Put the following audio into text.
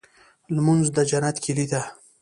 لمونځ د جنت کيلي ده.